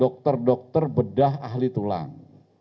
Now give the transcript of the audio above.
dokter dokter bedah ahli tulang